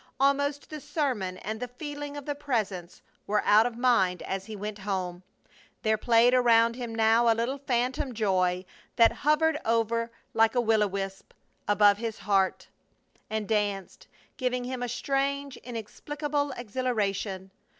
Almost the sermon and the feeling of the Presence were out of mind as he went home. There played around him now a little phantom joy that hovered over like a will o' the wisp above his heart, and danced, giving him a strange, inexplicable exhilaration.